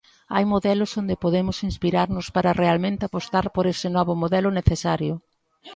Hai modelos onde podemos inspirarnos para realmente apostar por ese novo modelo necesario.